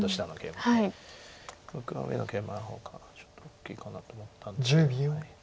僕は上のケイマの方がちょっと大きいかなと思ったんですけど。